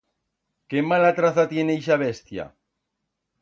Qué mala traza tiene ixa bestia.